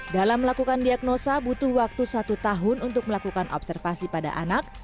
dalam melakukan diagnosa butuh waktu satu tahun untuk melakukan observasi pada anak